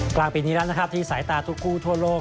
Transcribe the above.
กลางปีนี้แล้วนะครับที่สายตาทุกคู่ทั่วโลก